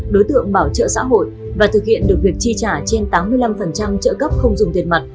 đối tượng bảo trợ xã hội và thực hiện được việc chi trả trên tám mươi năm trợ cấp không dùng tiền mặt